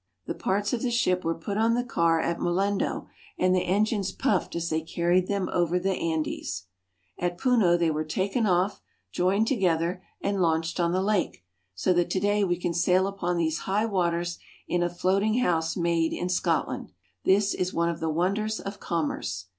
The parts of the ship were put on the car at Mollendo, and the engines puffed as they carried them over the Andes. STEAMBOATING ABOVE THE CLOUDS. 85 At Puno they were taken off, joined together, and launched on the lake, so that to day we can sail upon these high waters in a floating house made in Scotland. This is one of the wonders of commerce.